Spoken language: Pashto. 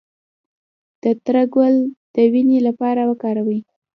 د تره ګل د وینې لپاره وکاروئ